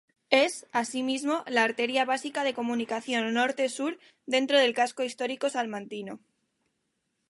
Es, asimismo, la arteria básica de comunicación norte-sur dentro del casco histórico salmantino.